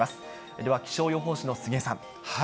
では、気象予報士の杉江さん。